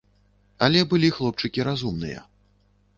Але былі хлопчыкі разумныя.